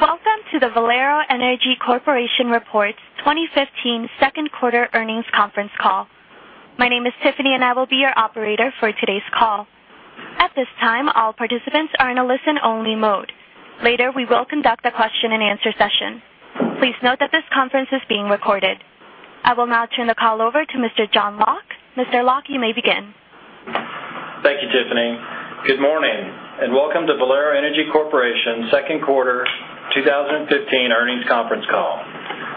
Welcome to the Valero Energy Corporation Report 2015 second quarter earnings conference call. My name is Tiffany, and I will be your operator for today's call. At this time, all participants are in a listen-only mode. Later, we will conduct a question-and-answer session. Please note that this conference is being recorded. I will now turn the call over to Mr. John Locke. Mr. Locke, you may begin. Thank you, Tiffany. Good morning, and welcome to Valero Energy Corporation second quarter 2015 earnings conference call.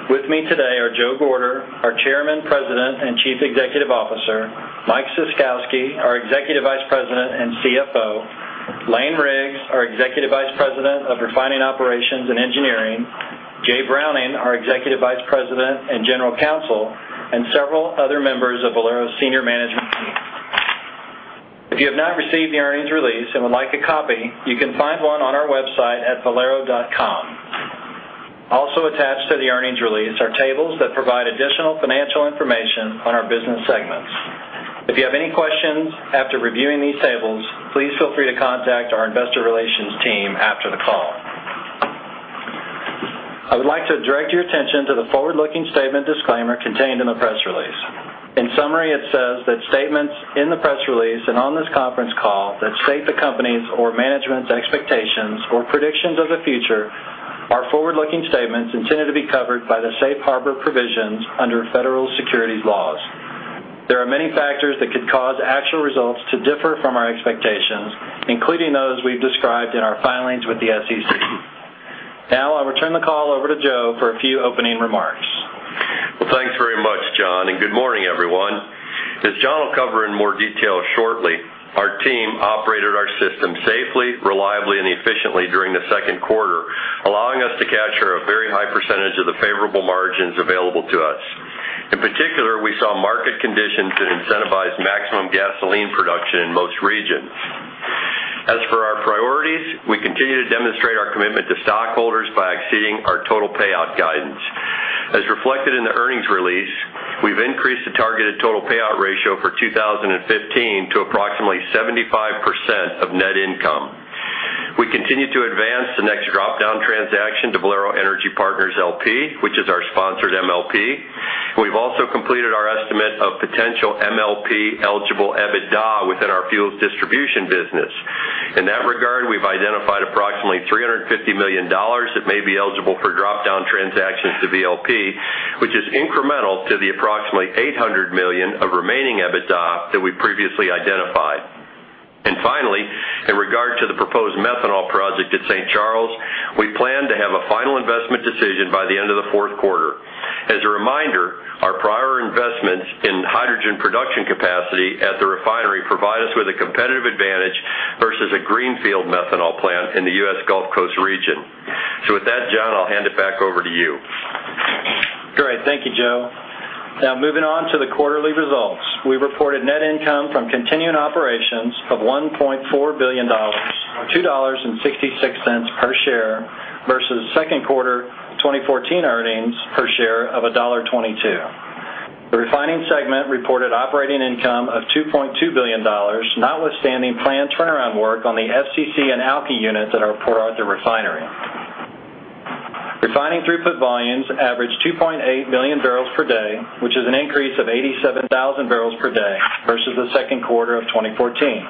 With me today are Joe Gorder, our Chairman, President and Chief Executive Officer, Mike Ciskowski, our Executive Vice President and CFO, Lane Riggs, our Executive Vice President of Refining Operations and Engineering, Jay Browning, our Executive Vice President and General Counsel, and several other members of Valero's senior management team. If you have not received the earnings release and would like a copy, you can find one on our website at valero.com. Also attached to the earnings release are tables that provide additional financial information on our business segments. If you have any questions after reviewing these tables, please feel free to contact our investor relations team after the call. I would like to direct your attention to the forward-looking statement disclaimer contained in the press release. In summary, it says that statements in the press release and on this conference call that state the company's or management's expectations or predictions of the future are forward-looking statements intended to be covered by the safe harbor provisions under federal securities laws. There are many factors that could cause actual results to differ from our expectations, including those we've described in our filings with the SEC. I'll return the call over to Joe for a few opening remarks. Well, thanks very much, John, and good morning, everyone. As John will cover in more detail shortly, our team operated our system safely, reliably, and efficiently during the second quarter, allowing us to capture a very high percentage of the favorable margins available to us. In particular, we saw market conditions that incentivized maximum gasoline production in most regions. As for our priorities, we continue to demonstrate our commitment to stockholders by exceeding our total payout guidance. As reflected in the earnings release, we've increased the targeted total payout ratio for 2015 to approximately 75% of net income. We continue to advance the next dropdown transaction to Valero Energy Partners LP, which is our sponsored MLP, and we've also completed our estimate of potential MLP-eligible EBITDA within our fuels distribution business. In that regard, we've identified approximately $350 million that may be eligible for dropdown transactions to VLP, which is incremental to the approximately $800 million of remaining EBITDA that we previously identified. Finally, in regard to the proposed methanol project at St. Charles, we plan to have a final investment decision by the end of the fourth quarter. As a reminder, our prior investments in hydrogen production capacity at the refinery provide us with a competitive advantage versus a greenfield methanol plant in the U.S. Gulf Coast region. With that, John, I'll hand it back over to you. Great. Thank you, Joe. Moving on to the quarterly results. We reported net income from continuing operations of $1.4 billion, or $2.66 per share, versus second quarter 2014 earnings per share of $1.22. The refining segment reported operating income of $2.2 billion, notwithstanding planned turnaround work on the FCC and Alky units at our Port Arthur refinery. Refining throughput volumes averaged 2.8 million barrels per day, which is an increase of 87,000 barrels per day versus the second quarter of 2014.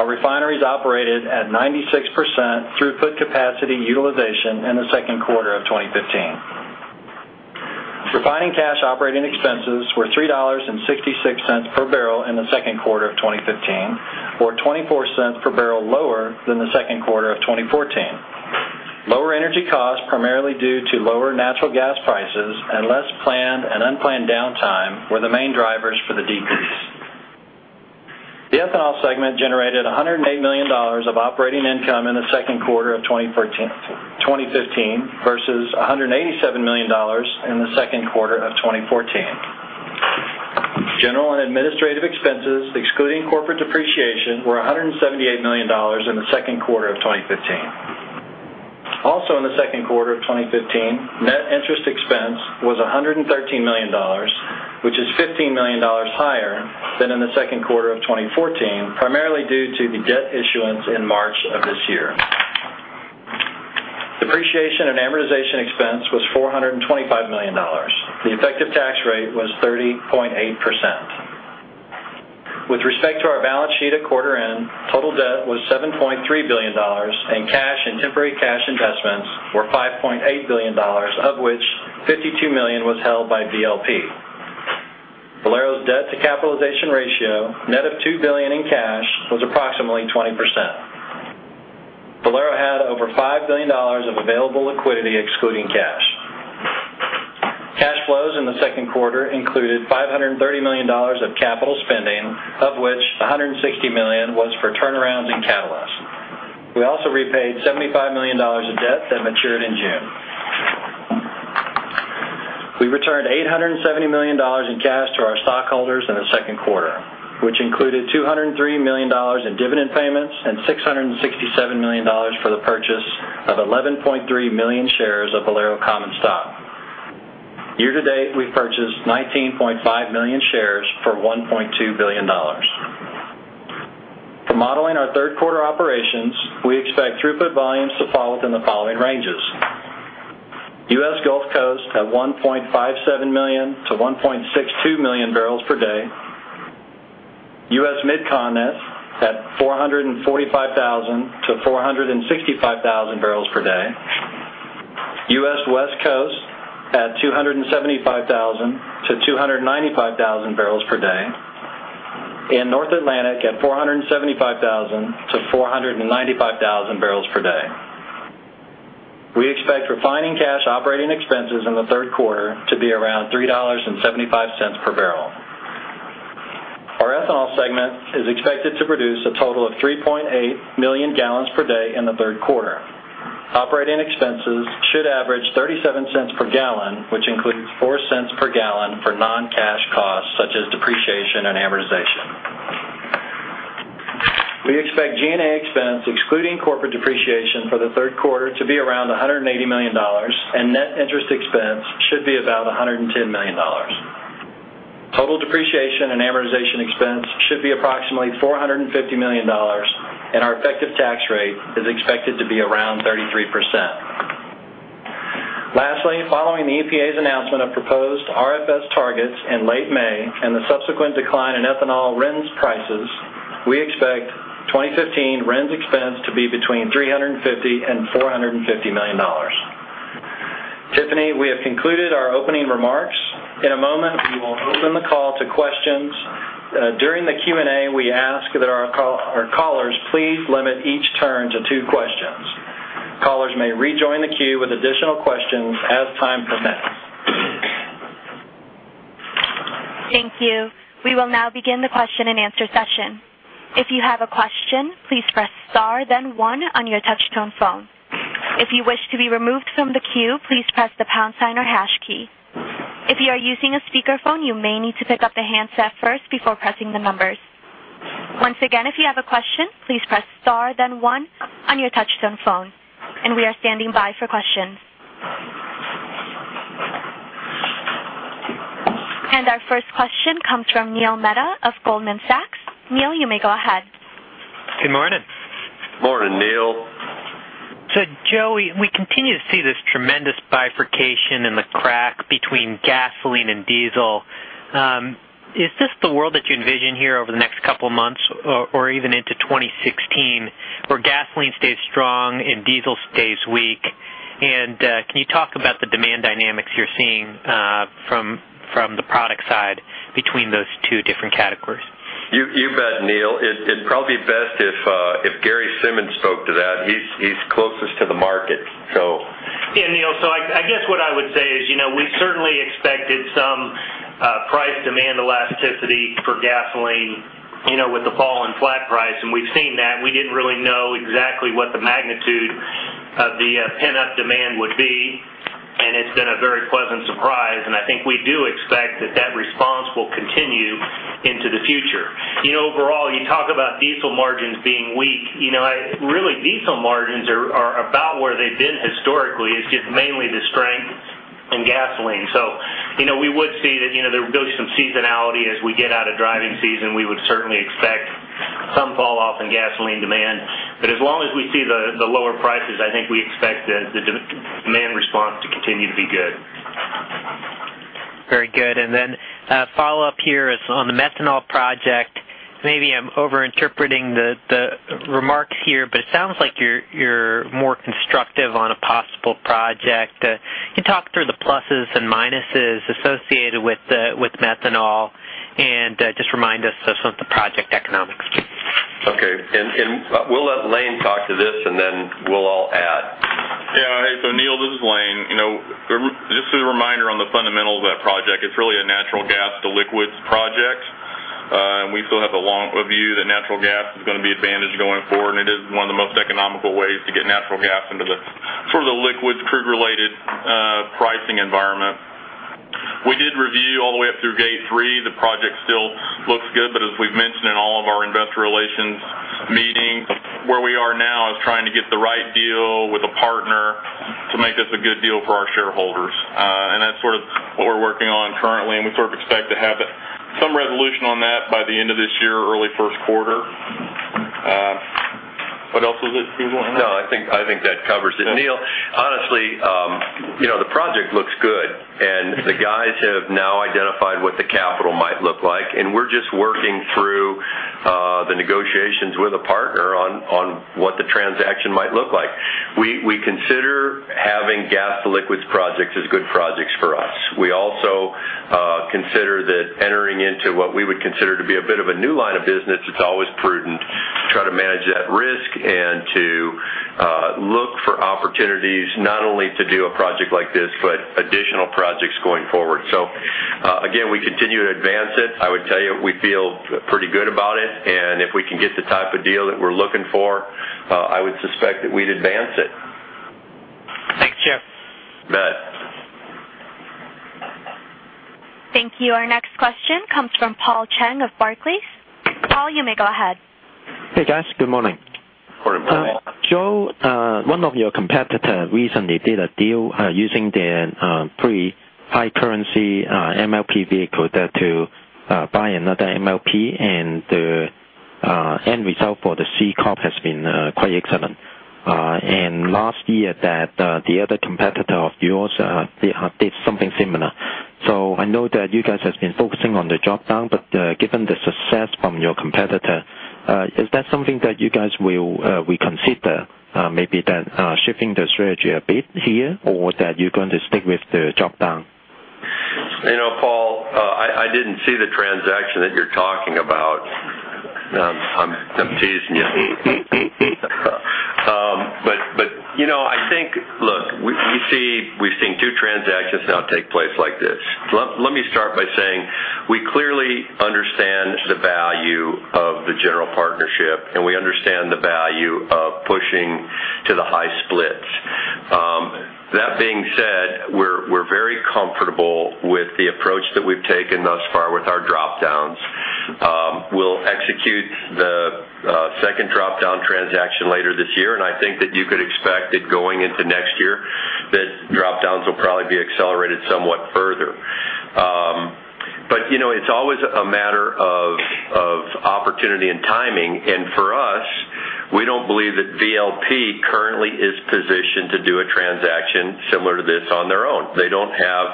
Our refineries operated at 96% throughput capacity utilization in the second quarter of 2015. Refining cash operating expenses were $3.66 per barrel in the second quarter of 2015, or $0.24 per barrel lower than the second quarter of 2014. Lower energy costs, primarily due to lower natural gas prices and less planned and unplanned downtime, were the main drivers for the decrease. The ethanol segment generated $108 million of operating income in the second quarter of 2015 versus $187 million in the second quarter of 2014. General and administrative expenses, excluding corporate depreciation, were $178 million in the second quarter of 2015. Also in the second quarter of 2015, net interest expense was $113 million, which is $15 million higher than in the second quarter of 2014, primarily due to the debt issuance in March of this year. Depreciation and amortization expense was $425 million. The effective tax rate was 30.8%. With respect to our balance sheet at quarter end, total debt was $7.3 billion, and cash and temporary cash investments were $5.8 billion, of which $52 million was held by VLP. Valero's debt-to-capitalization ratio, net of $2 billion in cash, was approximately 20%. Valero had over $5 billion of available liquidity excluding cash. Cash flows in the second quarter included $530 million of capital spending, of which $160 million was for turnarounds and catalysts. We also repaid $75 million of debt that matured in June. We returned $870 million in cash to our stockholders in the second quarter, which included $203 million in dividend payments and $667 million for the purchase of 11.3 million shares. Year-to-date, we purchased 19.5 million shares for $1.2 billion. For modeling our third quarter operations, we expect throughput volumes to fall within the following ranges: U.S. Gulf Coast at 1.57 million to 1.62 million barrels per day, U.S. Mid-Continent at 445,000 to 465,000 barrels per day, U.S. West Coast at 275,000 to 295,000 barrels per day, and North Atlantic at 475,000 to 495,000 barrels per day. We expect refining cash operating expenses in the third quarter to be around $3.75 per barrel. Our ethanol segment is expected to produce a total of 3.8 million gallons per day in the third quarter. Operating expenses should average $0.37 per gallon, which includes $0.04 per gallon for non-cash costs such as depreciation and amortization. We expect G&A expense excluding corporate depreciation for the third quarter to be around $180 million, and net interest expense should be about $110 million. Total depreciation and amortization expense should be approximately $450 million, and our effective tax rate is expected to be around 33%. Lastly, following the EPA's announcement of proposed RFS targets in late May and the subsequent decline in ethanol RINS prices, we expect 2015 RINS expense to be between $350 million-$450 million. Tiffany, we have concluded our opening remarks. In a moment, we will open the call to questions. During the Q&A, we ask that our callers please limit each turn to two questions. Callers may rejoin the queue with additional questions as time permits. Thank you. We will now begin the question and answer session. If you have a question, please press star then one on your touch tone phone. If you wish to be removed from the queue, please press the pound sign or hash key. If you are using a speakerphone, you may need to pick up the handset first before pressing the numbers. Once again, if you have a question, please press star then one on your touch tone phone. We are standing by for questions. Our first question comes from Neil Mehta of Goldman Sachs. Neil, you may go ahead. Good morning. Morning, Neal. Joey, we continue to see this tremendous bifurcation in the crack between gasoline and diesel. Is this the world that you envision here over the next couple of months or even into 2016, where gasoline stays strong and diesel stays weak? Can you talk about the demand dynamics you're seeing from the product side between those two different categories? You bet, Neal. It would probably be best if Gary Simmons spoke to that. He is closest to the market. Yeah, Neal. I guess what I would say is we certainly expected some price demand elasticity for gasoline with the fall in flat price, and we have seen that. We did not really know exactly what the magnitude of the pent-up demand would be, and it has been a very pleasant surprise, and I think we do expect that that response will continue into the future. Overall, you talk about diesel margins being weak. Really, diesel margins are about where they have been historically. It is just mainly the strength in gasoline. We would see that there goes some seasonality as we get out of driving season. We would certainly expect some fall off in gasoline demand. As long as we see the lower prices, I think we expect the demand response to continue to be good. Very good. A follow-up here is on the methanol project. Maybe I'm over-interpreting the remarks here, but it sounds like you're more constructive on a possible project. Can you talk through the pluses and minuses associated with methanol and just remind us of some of the project economics? Okay. We'll let Lane talk to this, and then we'll all add. Yeah. Hey, so Neil, this is Lane. Just a reminder on the fundamentals of that project. It's really a natural gas to liquids project. We still have a long view that natural gas is going to be advantaged going forward, and it is one of the most economical ways to get natural gas into the liquids crude related pricing environment. We did review all the way up through gate 3. The project still looks good, as we've mentioned in all of our investor relations meetings, where we are now is trying to get the right deal with a partner to make this a good deal for our shareholders. That's what we're working on currently, and we expect to have some resolution on that by the end of this year or early first quarter. What else was it you were looking for? No, I think that covers it. Neil, honestly the project looks good, the guys have now identified what the capital might look like. We're just working through the negotiations with a partner on what the transaction might look like. We consider having gas to liquids projects as good projects for us. We also consider that entering into what we would consider to be a bit of a new line of business, it's always prudent to try to manage that risk and to look for opportunities not only to do a project like this, but additional projects going forward. Again, we continue to advance it. I would tell you, we feel pretty good about it, if we can get the type of deal that we're looking for, I would suspect that we'd advance it. Thanks, Joe. You bet. Thank you. Our next question comes from Paul Cheng of Barclays. Paul, you may go ahead. Hey, guys. Good morning. Good morning, Paul. Joe, one of your competitor recently did a deal using their pre-high currency MLP vehicle there to buy another MLP, and the end result for the C corporation has been quite excellent. Last year, the other competitor of yours did something similar. I know that you guys have been focusing on the drop-down, but given the success from your competitor, is that something that you guys will reconsider? Maybe shifting the strategy a bit here, or that you're going to stick with the drop-down? You know, Paul, I didn't see the transaction that you're talking about. I'm teasing you. I think, look, we've seen two transactions now take place like this. Let me start by saying we clearly understand the value of the general partnership, and we understand the value of pushing to the high splits. That being said, we're very comfortable with the approach that we've taken thus far with our drop-downs. We'll execute the second drop-down transaction later this year, I think that you could expect that going into next year, that drop-downs will probably be accelerated somewhat further. It's always a matter of opportunity and timing, for us, we don't believe that VLP currently is positioned to do a transaction similar to this on their own. They don't have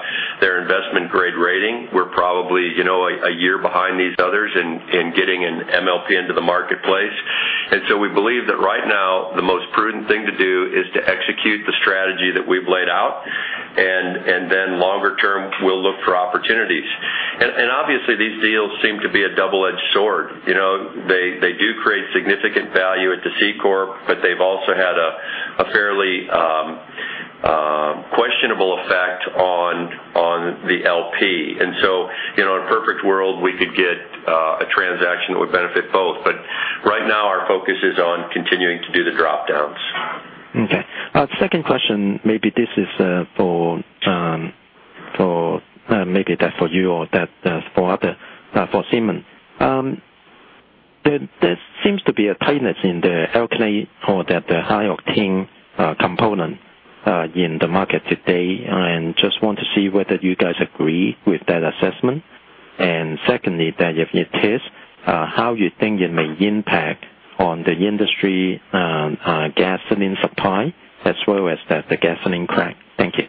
their investment-grade rating. We're probably a year behind these others in getting an MLP into the marketplace. We believe that right now, the most prudent thing to do is to execute the strategy that we've laid out, then longer term, we'll look for opportunities. Obviously, these deals seem to be a double-edged sword. They do create significant value at the C corporation, but they've also had a fairly questionable effect on the LP. In a perfect world, we could get a transaction that would benefit both. Right now, our focus is on continuing to do the drop-downs. Okay. Second question, maybe this is for you or for Simmons. There seems to be a tightness in the Alky or the high octane component in the market today, just want to see whether you guys agree with that assessment. Secondly, that if it is, how you think it may impact on the industry gasoline supply as well as the gasoline crack. Thank you.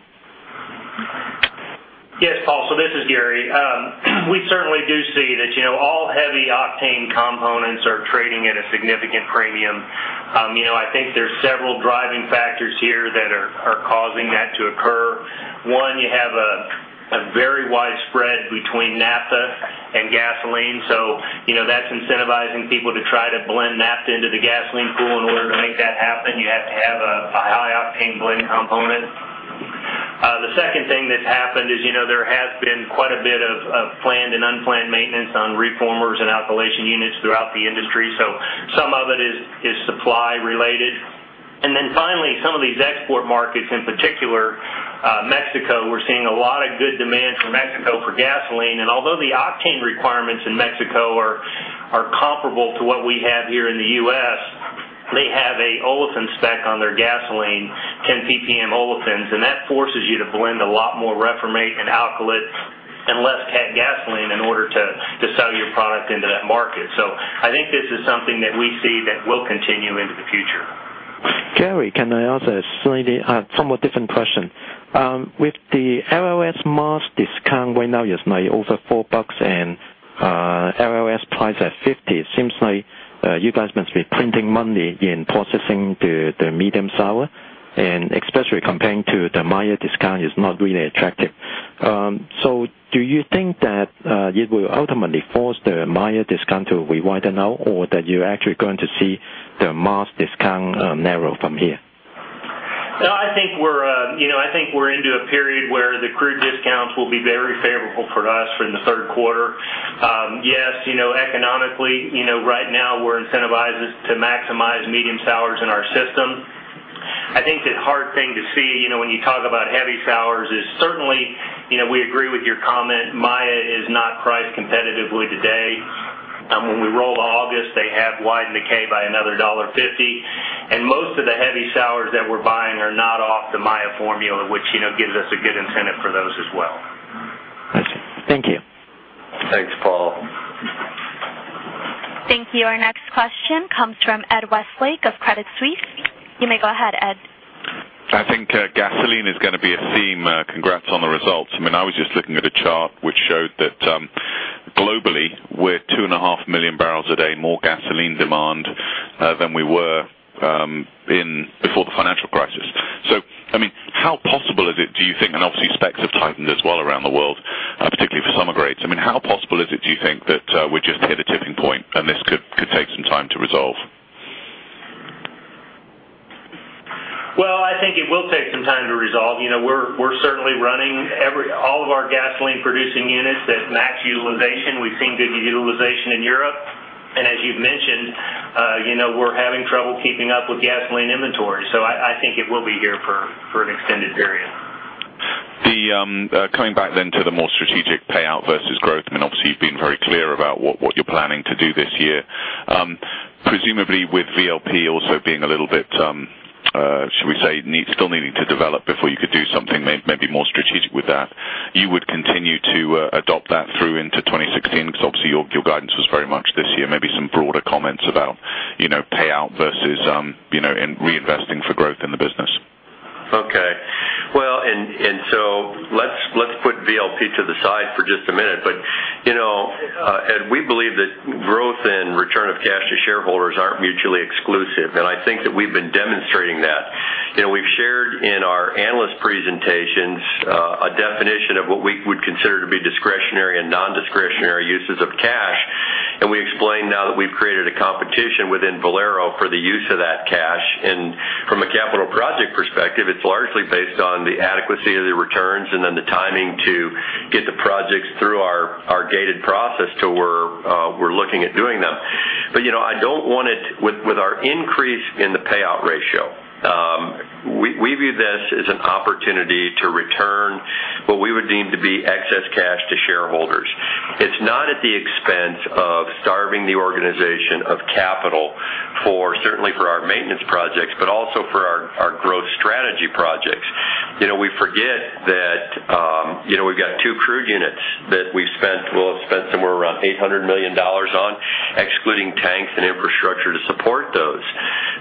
Yes, Paul. This is Gary. We certainly do see that all heavy octane components are trading at a significant premium. I think there's several driving factors here that are causing that to occur. One, you have a very wide spread between Naphtha and gasoline. That's incentivizing people to try to blend Naphtha into the gasoline pool. In order to make that happen, you have to have a high octane blend component. The second thing that's happened is there has been quite a bit of planned and unplanned maintenance on reformers and Alky units throughout the industry. Some of it is supply related. Finally, some of these export markets, in particular Mexico, we're seeing a lot of good demand from Mexico for gasoline. Although the octane requirements in Mexico are comparable to what we have here in the U.S., they have an olefin spec on their gasoline, 10 PPM olefins, that forces you to blend a lot more reformate and Alky and less cat gasoline in order to sell your product into that market. I think this is something that we see that will continue into the future. Gary, can I ask a slightly somewhat different question? With the LLS-Mars discount right now is over $4 and LLS-Mars price at $50, it seems like you guys must be printing money in processing the medium sour, especially comparing to the Maya discount is not really attractive. Do you think that it will ultimately force the Maya discount to rewiden out or that you're actually going to see the Mars discount narrow from here? No, I think we're into a period where the crude discounts will be very favorable for us in the third quarter. Yes, economically, right now we're incentivized to maximize medium sours in our system. I think the hard thing to see when you talk about heavy sours is certainly, we agree with your comment, Maya is not priced competitively today. When we roll to August, they have widened the curve by another $1.50. Most of the heavy sours that we're buying are not off the Maya formula, which gives us a good incentive for those as well. I see. Thank you. Thanks, Paul. Thank you. Our next question comes from Edward Westlake of Credit Suisse. You may go ahead, Ed. I think gasoline is going to be a theme. Congrats on the results. I was just looking at a chart which showed that globally, we're 2.5 million barrels a day more gasoline demand than we were before the Financial Crisis. How possible is it, do you think, and obviously specs have tightened as well around the world, particularly for summer grades. How possible is it, do you think, that we just hit a tipping point and this could take some time to resolve? I think it will take some time to resolve. We're certainly running all of our gasoline-producing units at max utilization. We've seen good utilization in Europe. As you've mentioned, we're having trouble keeping up with gasoline inventory. I think it will be here for an extended period. Coming back to the more strategic payout versus growth. Obviously, you've been very clear about what you're planning to do this year. Presumably with VLP also being a little bit, should we say, still needing to develop before you could do something maybe more strategic with that. You would continue to adopt that through into 2016 because obviously your guidance was very much this year, maybe some broader comments about payout versus reinvesting for growth in the business. Let's put VLP to the side for just a minute. We believe that growth and return of cash to shareholders aren't mutually exclusive, and I think that we've been demonstrating that. We've shared in our analyst presentations a definition of what we would consider to be discretionary and non-discretionary uses of cash, and we explained now that we've created a competition within Valero for the use of that cash. From a capital project perspective, it's largely based on the adequacy of the returns and then the timing to get the projects through our gated process to where we're looking at doing them. With our increase in the payout ratio, we view this as an opportunity to return what we would deem to be excess cash to shareholders. It's not at the expense of starving the organization of capital certainly for our maintenance projects, but also for our growth strategy projects. We forget that we've got two crude units that we'll have spent somewhere around $800 million on, excluding tanks and infrastructure to support those.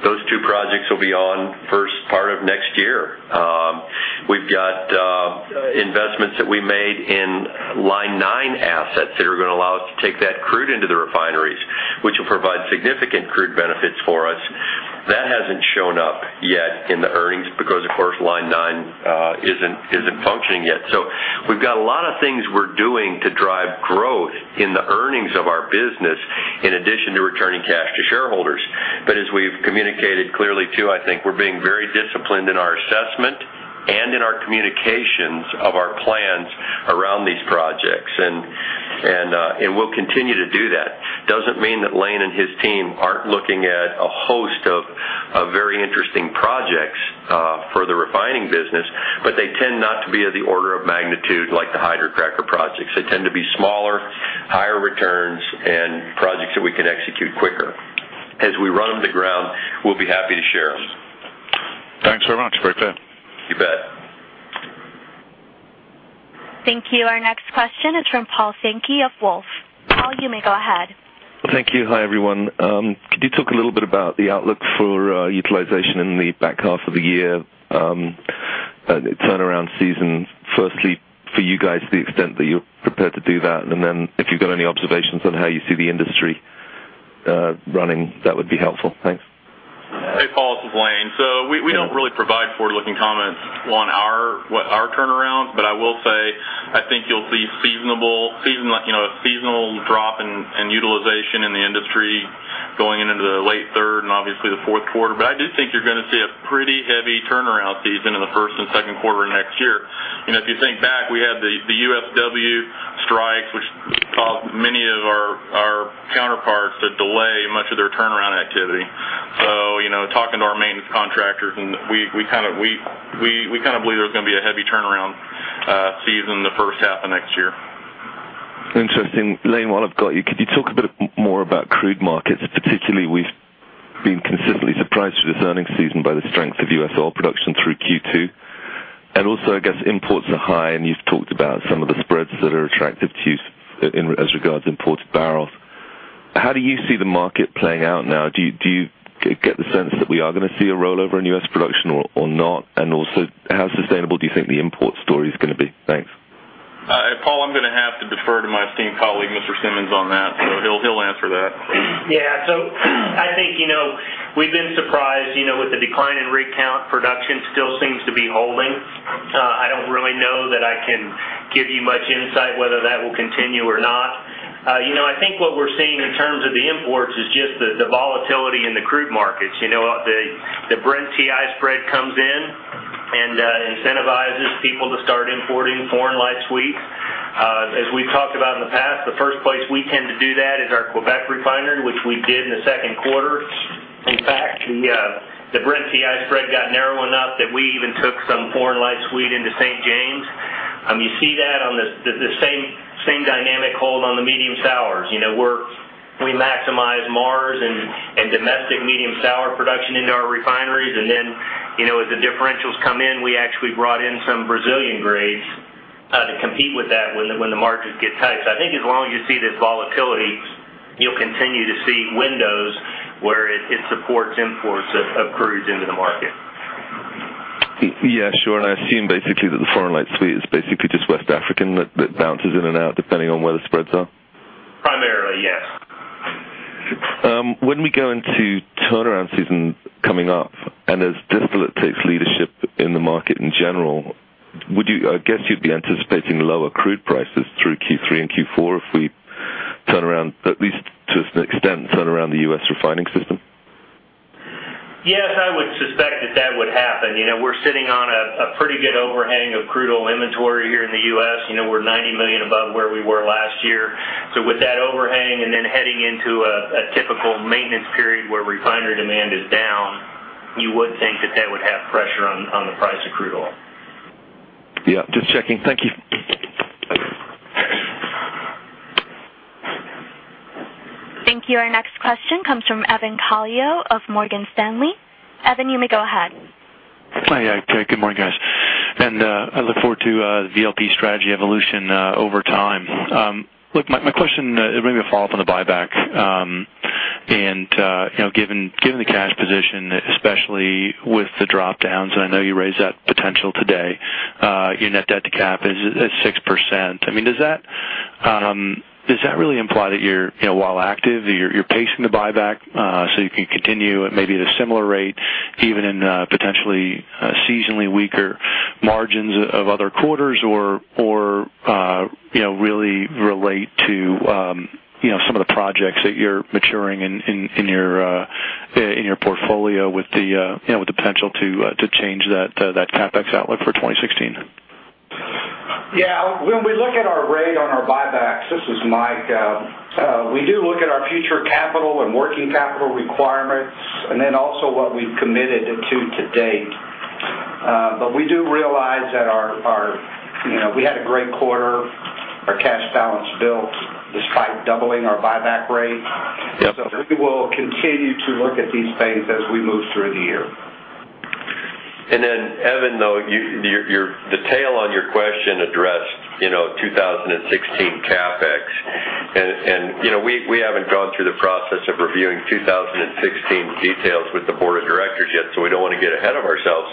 Those two projects will be on first part of next year. We've got investments that we made in Line 9 assets that are going to allow us to take that crude into the refineries, which will provide significant crude benefits for us. That hasn't shown up yet in the earnings because, of course, Line 9 isn't functioning yet. We've got a lot of things we're doing to drive growth in the earnings of our business in addition to returning cash to shareholders. As we've communicated clearly, too, I think we're being very disciplined in our assessment and in our communications of our plans around these projects, and we'll continue to do that. Doesn't mean that Lane and his team aren't looking at a host of very interesting projects for the refining business, but they tend not to be of the order of magnitude like the hydrocracker projects. They tend to be smaller, higher returns, and projects that we can execute quicker. As we run them to ground, we'll be happy to share them. Thanks very much. Very clear. You bet. Thank you. Our next question is from Paul Sankey of Wolfe. Paul, you may go ahead. Thank you. Hi, everyone. Could you talk a little bit about the outlook for utilization in the back half of the year turnaround season? Firstly, for you guys, to the extent that you're prepared to do that, then if you've got any observations on how you see the industry running, that would be helpful. Thanks. Hey, Paul. This is Lane. We don't really provide forward-looking comments on our turnaround, but I will say, I think you'll see a seasonal drop in utilization in the industry going into the late third and obviously the fourth quarter. I do think you're going to see a pretty heavy turnaround season in the first and second quarter next year. If you think back, we had the USW strikes, which caused many of our counterparts to delay much of their turnaround activity. Talking to our maintenance contractors, we believe there's going to be a heavy turnaround season in the first half of next year. Interesting. Lane, while I've got you, could you talk a bit more about crude markets? Particularly, we've been consistently surprised through this earnings season by the strength of U.S. oil production through Q2. I guess imports are high, and you've talked about some of the spreads that are attractive to you as regards imported barrels. How do you see the market playing out now? Do you get the sense that we are going to see a rollover in U.S. production or not? How sustainable do you think the import story is going to be? Thanks. Paul, I'm going to have to defer to my esteemed colleague, Mr. Simmons, on that. He'll answer that. Yeah. I think we've been surprised with the decline in rig count. Production still seems to be holding. I don't really know that I can give you much insight whether that will continue or not. I think what we're seeing in terms of the imports is just the volatility in the crude markets. The Brent WTI spread comes in and incentivizes people to start importing foreign light sweet. As we've talked about in the past, the first place we tend to do that is our Quebec refinery, which we did in the second quarter. In fact, the Brent WTI spread got narrow enough that we even took some foreign light sweet into St. James. You see the same dynamic hold on the medium sours. We maximize Mars and domestic medium sour production into our refineries. As the differentials come in, we actually brought in some Brazilian grades to compete with that when the margins get tight. I think as long as you see this volatility, you'll continue to see windows where it supports imports of crudes into the market. Yeah, sure. I assume basically that the foreign light sweet is basically just West African that bounces in and out depending on where the spreads are. Primarily, yes. When we go into turnaround season coming up, and as distillate takes leadership in the market in general, I guess you'd be anticipating lower crude prices through Q3 and Q4 if we at least to an extent, turn around the U.S. refining system? We're sitting on a pretty good overhang of crude oil inventory here in the U.S. We're 90 million above where we were last year. With that overhang, and then heading into a typical maintenance period where refinery demand is down, you would think that that would have pressure on the price of crude oil. Yeah, just checking. Thank you. Thank you. Our next question comes from Evan Calio of Morgan Stanley. Evan, you may go ahead. Hi. Yeah. Good morning, guys. I look forward to the VLP strategy evolution over time. Look, my question, it may be a follow-up on the buyback. Given the cash position, especially with the drop downs, and I know you raised that potential today, your net debt to cap is at 6%. Does that really imply that while active, you're pacing the buyback so you can continue at maybe at a similar rate even in potentially seasonally weaker margins of other quarters, or really relate to some of the projects that you're maturing in your portfolio with the potential to change that CapEx outlook for 2016? Yeah. When we look at our rate on our buybacks, this is Mike, we do look at our future capital and working capital requirements, then also what we've committed to to date. We do realize that we had a great quarter. Our cash balance built despite doubling our buyback rate. Yeah. We will continue to look at these things as we move through the year. Evan, though, the tail on your question addressed 2016 CapEx. We haven't gone through the process of reviewing 2016 details with the board of directors yet, we don't want to get ahead of ourselves.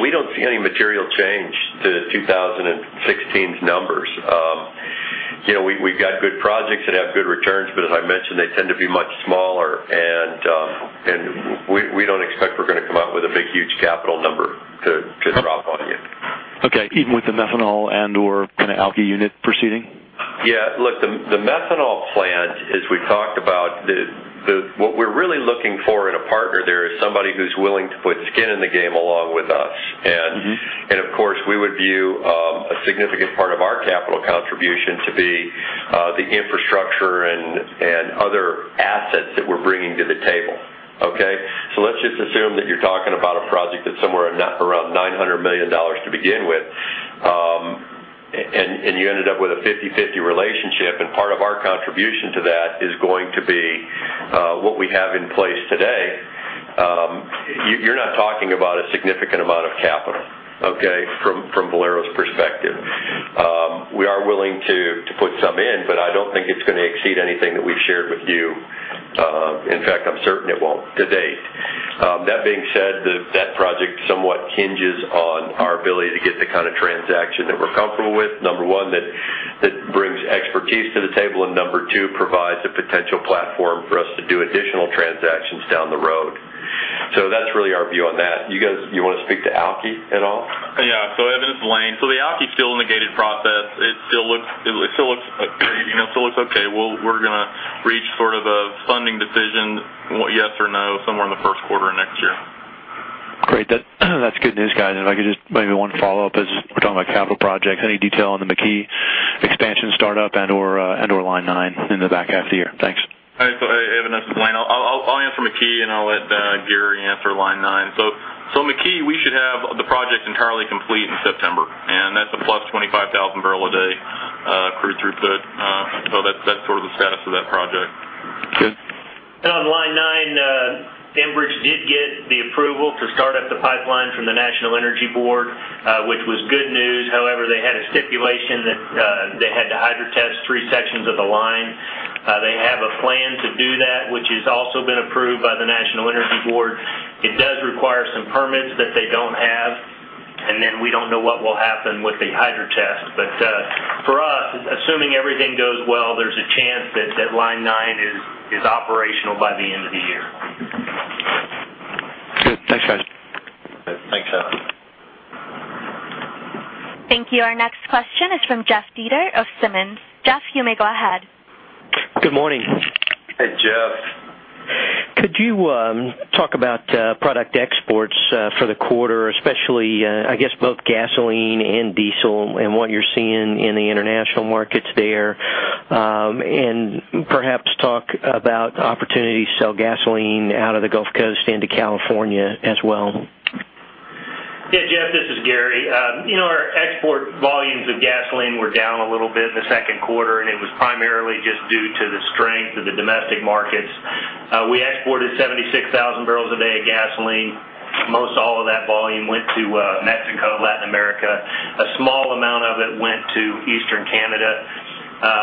We don't see any material change to 2016's numbers. We've got good projects that have good returns, but as I mentioned, they tend to be much smaller. We don't expect we're going to come out with a big, huge capital number to drop on you. Okay. Even with the methanol and/or kind of Alky unit proceeding? Yeah. Look, the methanol plant, as we've talked about, what we're really looking for in a partner there is somebody who's willing to put skin in the game along with us. Of course, we would view a significant part of our capital contribution to be the infrastructure and other assets that we're bringing to the table. Okay. Let's just assume that you're talking about a project that's somewhere around $900 million to begin with, and you ended up with a 50/50 relationship. Part of our contribution to that is going to be what we have in place today. You're not talking about a significant amount of capital, okay, from Valero's perspective. We are willing to put some in, but I don't think it's going to exceed anything that we've shared with you. In fact, I'm certain it won't to date. That being said, that project somewhat hinges on our ability to get the kind of transaction that we're comfortable with. Number one, that brings expertise to the table, and number two, provides a potential platform for us to do additional transactions down the road. That's really our view on that. You want to speak to Alky at all? Yeah. Evan, it's Lane. The Alky's still in the gated process. It still looks okay. We're going to reach sort of a funding decision, yes or no, somewhere in the first quarter of next year. Great. That's good news, guys. If I could just, maybe one follow-up, as we're talking about capital projects, any detail on the McKee expansion startup and/or Line 9 in the back half of the year? Thanks. All right. Evan, this is Lane. I'll answer McKee. I'll let Gary answer Line 9. McKee, we should have the project entirely complete in September. That's a +25,000 barrel a day crude throughput. That's sort of the status of that project. Good. On Line 9, Enbridge did get the approval to start up the pipeline from the National Energy Board, which was good news. However, they had a stipulation that they had to hydro test three sections of the line. They have a plan to do that, which has also been approved by the National Energy Board. It does require some permits that they don't have. We don't know what will happen with the hydro test. For us, assuming everything goes well, there's a chance that Line 9 is operational by the end of the year. Good. Thanks, guys. Thanks, Evan. Thank you. Our next question is from Jeff Dietert of Simmons. Jeff, you may go ahead. Good morning. Hey, Jeff. Could you talk about product exports for the quarter, especially, I guess both gasoline and diesel, and what you're seeing in the international markets there? Perhaps talk about opportunities to sell gasoline out of the Gulf Coast into California as well. Yeah, Jeff, this is Gary. Our export volumes of gasoline were down a little bit in the second quarter. It was primarily just due to the strength of the domestic markets. We exported 76,000 barrels a day of gasoline. Most all of that volume went to Mexico, Latin America. A small amount of it went to Eastern Canada.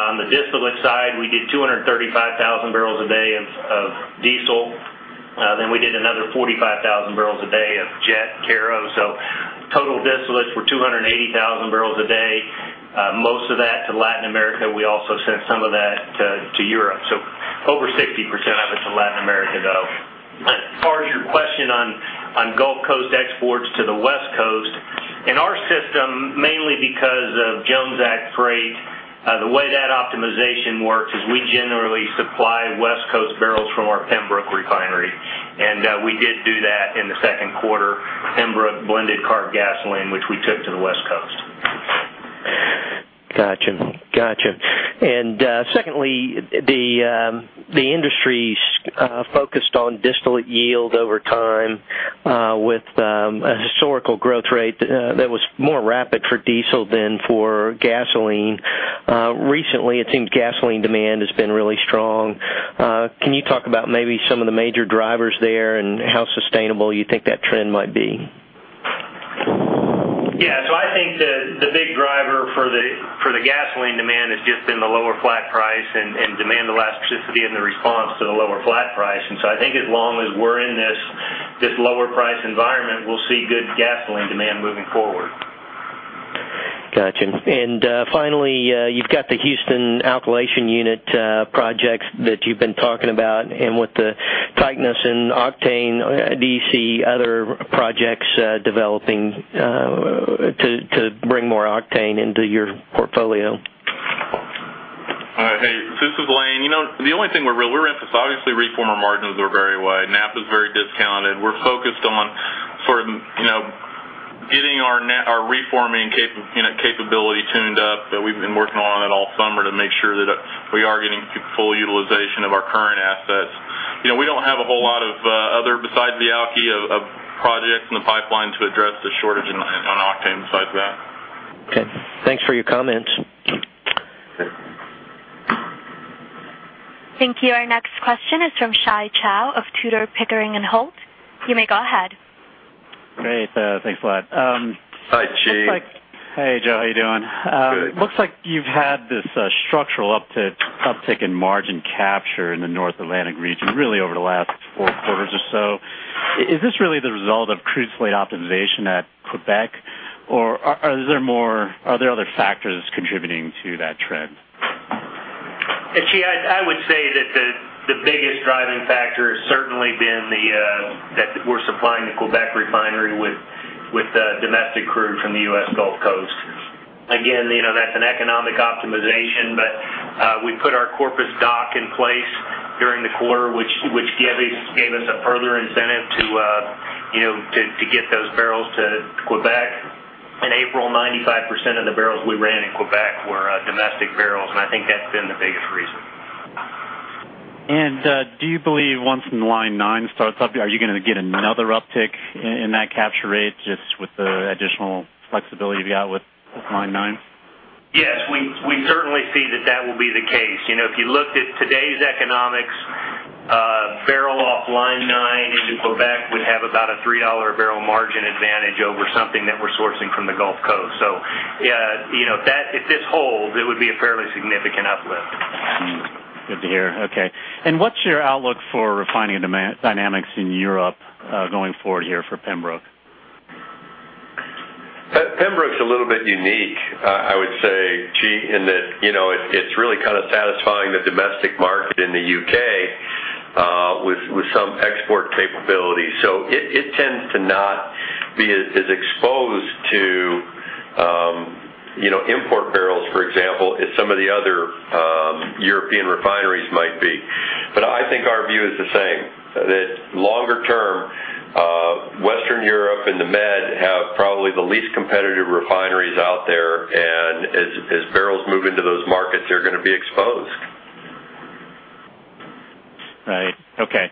On the distillate side, we did 235,000 barrels a day of diesel. We did another 45,000 barrels a day of jet kero. Total distillates were 280,000 barrels a day. Most of that to Latin America. We also sent some of that to Europe. Over 60% of it to Latin America, though. As far as your question on Gulf Coast exports to the West Coast. The way that optimization works is we generally supply West Coast barrels from our Pembroke refinery. We did do that in the second quarter, Pembroke blended CARB gasoline, which we took to the West Coast. Got you. Secondly, the industry's focused on distillate yield over time with a historical growth rate that was more rapid for diesel than for gasoline. Recently, it seems gasoline demand has been really strong. Can you talk about maybe some of the major drivers there and how sustainable you think that trend might be? Yeah. I think the big driver for the gasoline demand has just been the lower flat price and demand elasticity and the response to the lower flat price. I think as long as we're in this lower price environment, we'll see good gasoline demand moving forward. Got you. Finally, you've got the Houston alkylation unit projects that you've been talking about, with the tightness in octane, do you see other projects developing to bring more octane into your portfolio? Hey, this is Lane. Obviously reformer margins are very wide. Naphtha's very discounted. We're focused on getting our reforming capability tuned up. We've been working on it all summer to make sure that we are getting full utilization of our current assets. We don't have a whole lot of other, besides the Alky, of projects in the pipeline to address the shortage on octane besides that. Okay. Thanks for your comments. Thank you. Our next question is from Chi Chow of Tudor, Pickering & Holt. You may go ahead. Great. Thanks a lot. Hi, Chi. Hey, Joe. How you doing? Good. Looks like you've had this structural uptick in margin capture in the North Atlantic region really over the last four quarters or so. Is this really the result of crude slate optimization at Quebec, or are there other factors contributing to that trend? Chi, I would say that the biggest driving factor has certainly been that we're supplying the Quebec refinery with domestic crude from the U.S. Gulf Coast. That's an economic optimization. We put our Corpus doc in place during the quarter, which gave us a further incentive to get those barrels to Quebec. In April, 95% of the barrels we ran in Quebec were domestic barrels. I think that's been the biggest reason. Do you believe once Line 9 starts up, are you going to get another uptick in that capture rate just with the additional flexibility you got with Line 9? Yes, we certainly see that that will be the case. If you looked at today's economics, a barrel off Line 9 into Quebec would have about a $3 a barrel margin advantage over something that we're sourcing from the Gulf Coast. If this holds, it would be a fairly significant uplift. Good to hear. Okay. What's your outlook for refining dynamics in Europe going forward here for Pembroke? Pembroke's a little bit unique, I would say, Chi, in that it's really satisfying the domestic market in the U.K. with some export capability. It tends to not be as exposed to import barrels, for example, as some of the other European refineries might be. I think our view is the same, that longer term, Western Europe and the Med have probably the least competitive refineries out there, and as barrels move into those markets, they're going to be exposed. Right. Okay.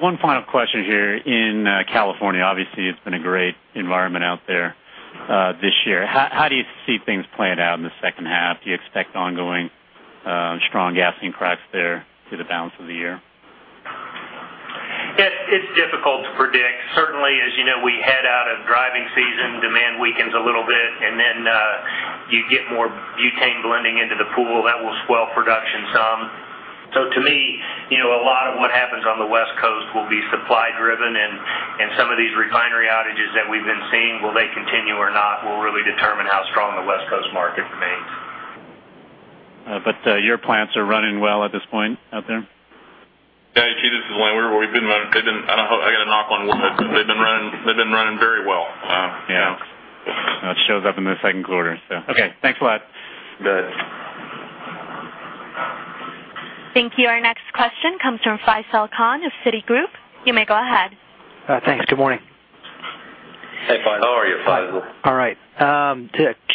One final question here. In California, obviously, it's been a great environment out there this year. How do you see things playing out in the second half? Do you expect ongoing strong gasoline cracks there through the balance of the year? It's difficult to predict. Certainly, as you know, we head out of driving season, demand weakens a little bit, and then you get more butane blending into the pool. That will swell production some. To me, a lot of what happens on the West Coast will be supply driven, and some of these refinery outages that we've been seeing, will they continue or not, will really determine how strong the West Coast market remains. Your plants are running well at this point out there? Yeah. Chi, this is Lane. I got a knock on wood. They've been running very well. Yeah. It shows up in the second quarter, so. Okay, thanks a lot. Good. Thank you. Our next question comes from Faisel Khan of Citigroup. You may go ahead. Thanks. Good morning. Hey, Faisel. How are you, Faisel? All right.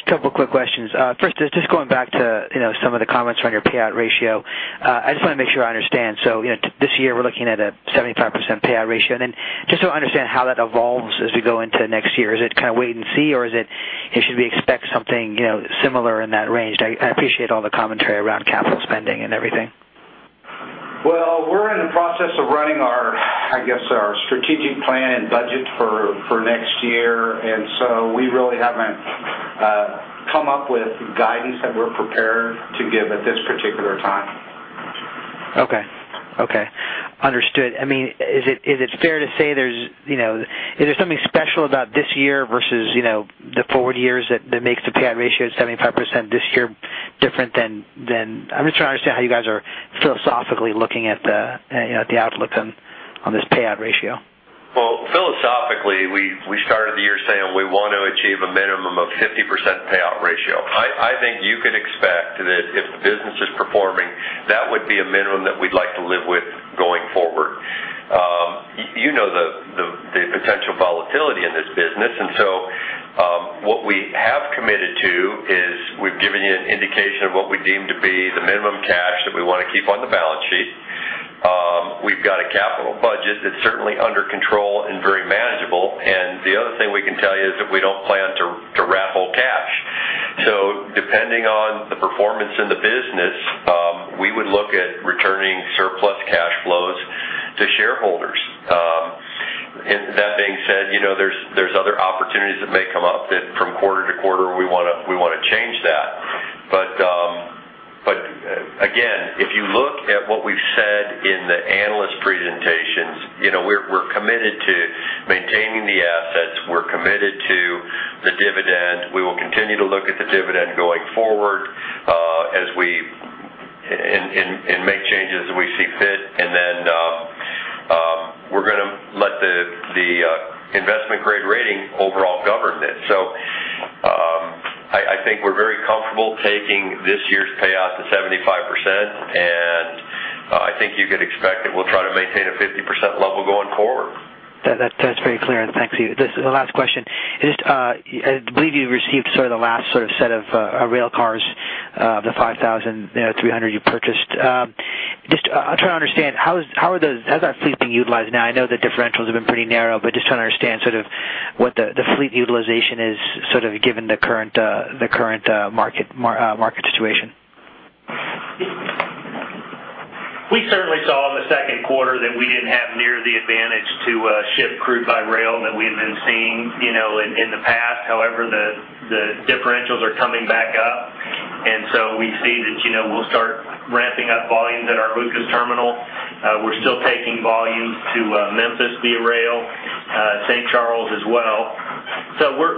Couple quick questions. First is just going back to some of the comments around your payout ratio. I just want to make sure I understand. This year, we're looking at a 75% payout ratio, and then just so I understand how that evolves as we go into next year, is it kind of wait and see, or should we expect something similar in that range? I appreciate all the commentary around capital spending and everything. Well, we're in the process of running our strategic plan and budget for next year, we really haven't come up with guidance that we're prepared to give at this particular time. Okay. Understood. Is it fair to say there's something special about this year versus the forward years that makes the payout ratio at 75% this year different than I'm just trying to understand how you guys are philosophically looking at the outlook on this payout ratio? To achieve a minimum of 50% payout ratio. I think you can expect that if the business is performing, that would be a minimum that we'd like to live with going forward. You know the potential volatility in this business, what we have committed to is we've given you an indication of what we deem to be the minimum cash that we want to keep on the balance sheet. We've got a capital budget that's certainly under control and very manageable. The other thing we can tell you is that we don't plan to raffle cash. Depending on the performance in the business, we would look at returning surplus cash flows to shareholders. That being said, there's other opportunities that may come up that from quarter to quarter, we want to change that. Again, if you look at what we've said in the analyst presentations, we're committed to maintaining the assets. We're committed to the dividend. We will continue to look at the dividend going forward and make changes as we see fit. We're going to let the investment-grade rating overall govern this. I think we're very comfortable taking this year's payout to 75%, and I think you could expect that we'll try to maintain a 50% level going forward. That's very clear. Thanks. The last question. I believe you received sort of the last set of rail cars, the 5,300 you purchased. Just trying to understand, how is our fleet being utilized now? I know the differentials have been pretty narrow, but just trying to understand sort of what the fleet utilization is given the current market situation. We certainly saw in the second quarter that we didn't have near the advantage to ship crude by rail that we've been seeing in the past. However, the differentials are coming back up, and so we see that we'll start ramping up volumes at our Lucas terminal. We're still taking volumes to Memphis via rail, St. Charles as well.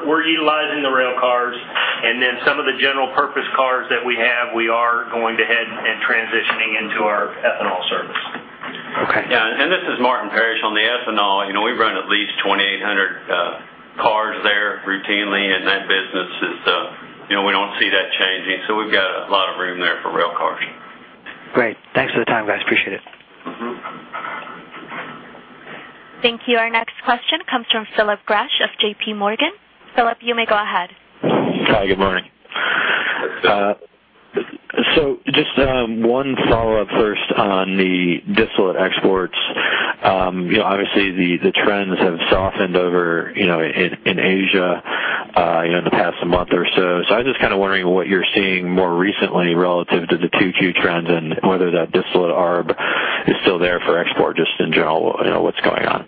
We're utilizing the rail cars and then some of the general-purpose cars that we have, we are going ahead and transitioning into our ethanol service. Okay. Yeah. This is Martin Parish. On the ethanol, we run at least 2,800 cars there routinely, and that business we don't see that changing. We've got a lot of room there for rail cars. Great. Thanks for the time, guys. Appreciate it. Thank you. Our next question comes from Phil Gresh of J.P. Morgan. Philip, you may go ahead. Hi, good morning. Just one follow-up first on the distillate exports. Obviously, the trends have softened over in Asia the past month or so. I was just kind of wondering what you're seeing more recently relative to the Q2 trends and whether that distillate arb is still there for export, just in general, what's going on?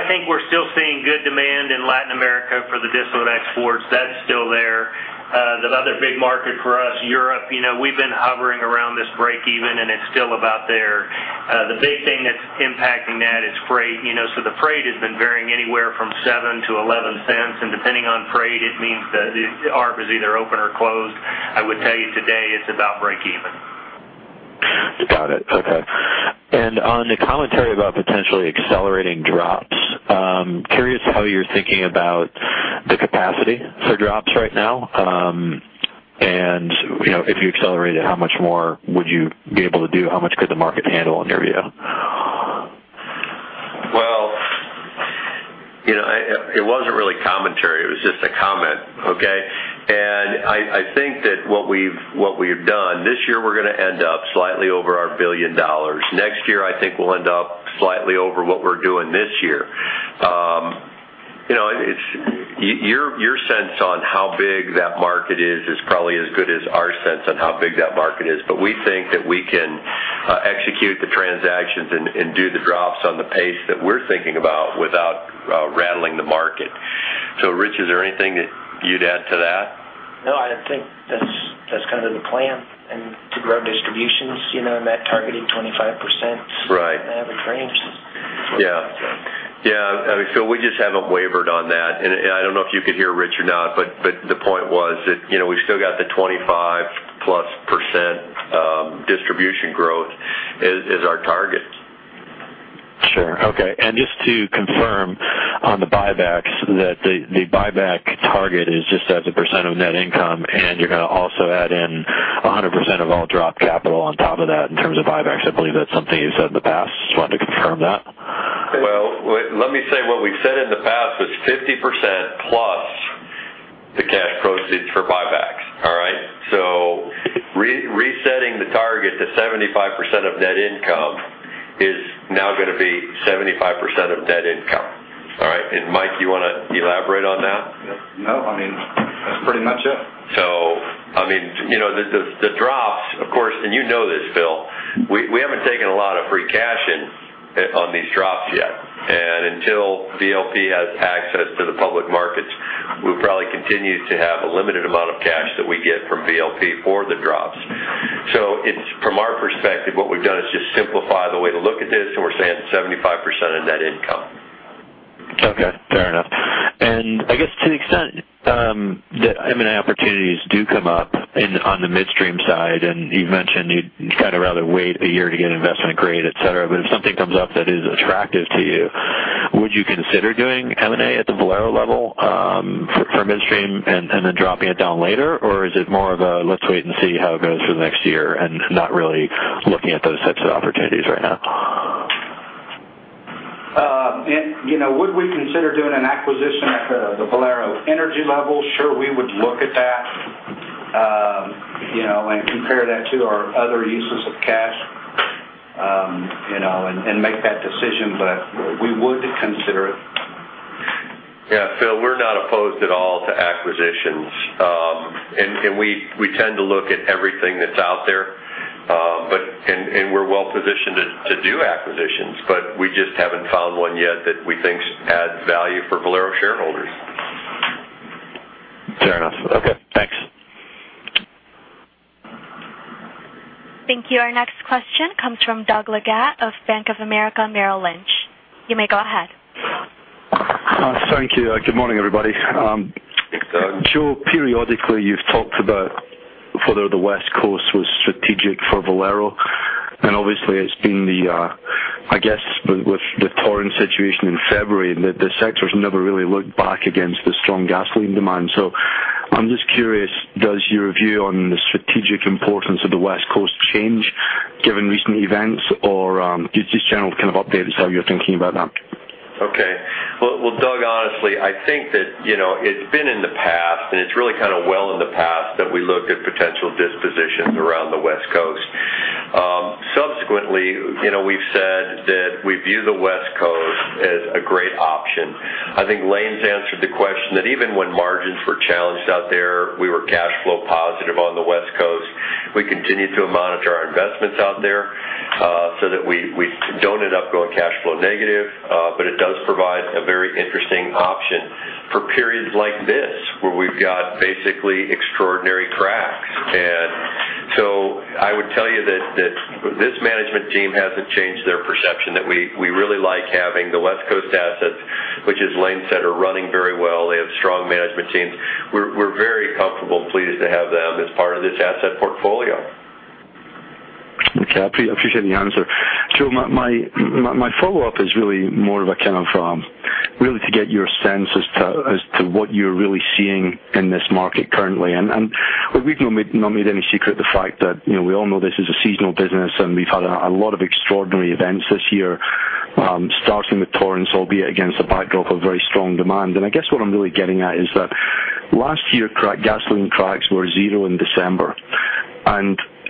I think we're still seeing good demand in Latin America for the distillate exports. That's still there. The other big market for us, Europe, we've been hovering around this break even, and it's still about there. The big thing that's impacting that is freight. The freight has been varying anywhere from $0.07-$0.11, and depending on freight, it means the arb is either open or closed. I would tell you today, it's about break even. Got it. Okay. On the commentary about potentially accelerating drops, curious how you're thinking about the capacity for drops right now. If you accelerated, how much more would you be able to do? How much could the market handle in your view? Well, it wasn't really commentary. It was just a comment. Okay? I think that what we've done, this year, we're going to end up slightly over our $1 billion. Next year, I think we'll end up slightly over what we're doing this year. Your sense on how big that market is probably as good as our sense on how big that market is. We think that we can execute the transactions and do the drops on the pace that we're thinking about without rattling the market. Rich, is there anything that you'd add to that? No, I think that's kind of the plan. To grow distributions, and that targeted 25%- Right average range. Yeah. Yeah. Phil, we just haven't wavered on that. I don't know if you could hear Rich or not, but the point was that we've still got the 25-plus % distribution growth as our target. Sure. Okay. Just to confirm on the buybacks, that the buyback target is just as a percent of net income, and you're going to also add in 100% of all drop capital on top of that. In terms of buybacks, I believe that's something you said in the past. Just wanted to confirm that. Let me say what we've said in the past was 50% plus the cash proceeds for buybacks. All right? Resetting the target to 75% of net income is now going to be 75% of net income. All right? Mike, you want to elaborate on that? No. That's pretty much it. The drops, of course, and you know this, Phil, we haven't taken a lot of free cash in on these drops yet. Until VLP has access to the public markets, we'll probably continue to have a limited amount of cash that we get from VLP for the drops. From our perspective, what we've done is just simplify the way to look at this, and we're saying 75% of net income. Okay, fair enough. M&A opportunities do come up on the midstream side, and you've mentioned you'd rather wait a year to get investment grade, et cetera. If something comes up that is attractive to you, would you consider doing M&A at the Valero level for midstream and then dropping it down later? Is it more of a let's wait and see how it goes for the next year and not really looking at those types of opportunities right now? Would we consider doing an acquisition at the Valero Energy level? Sure, we would look at that, and compare that to our other uses of cash, and make that decision, but we would consider it. Yeah, Phil, we're not opposed at all to acquisitions. We tend to look at everything that's out there. We're well-positioned to do acquisitions, but we just haven't found one yet that we think adds value for Valero shareholders. Fair enough. Okay, thanks. Thank you. Our next question comes from Doug Leggate of Bank of America Merrill Lynch. You may go ahead. Thank you. Good morning, everybody. Thanks, Doug. Joe, periodically you've talked about whether the West Coast was strategic for Valero, and obviously it's been the I guess with the Torrance situation in February, the sector's never really looked back against the strong gasoline demand. I'm just curious, does your view on the strategic importance of the West Coast change given recent events? Just a general update as to how you're thinking about that. Okay. Well, Doug, honestly, I think that it's been in the past, and it's really well in the past that we looked at potential dispositions around the West Coast. Subsequently, we've said that we view the West Coast as a great option. I think Lane's answered the question that even when margins were challenged out there, we were cash flow positive on the West Coast. We continue to monitor our investments out there, so that we don't end up going cash flow negative. It does provide a very interesting option for periods like this, where we've got basically extraordinary cracks. I would tell you that this management team hasn't changed their perception that we really like having the West Coast assets, which, as Lane said, are running very well. They have strong management teams. We're very comfortable and pleased to have them as part of this asset portfolio. Okay. I appreciate the answer. Joe, my follow-up is really to get your sense as to what you're really seeing in this market currently. We've not made any secret the fact that we all know this is a seasonal business, and we've had a lot of extraordinary events this year, starting with Torrance, albeit against a backdrop of very strong demand. I guess what I'm really getting at is that last year, gasoline cracks were zero in December.